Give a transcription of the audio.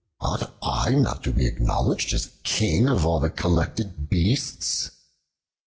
Ought I not to be acknowledged as King of all the collected beasts?"